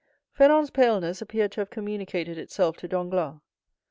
Fernand's paleness appeared to have communicated itself to Danglars.